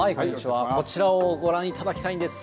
こちらをご覧いただきたいです。